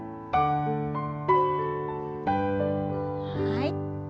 はい。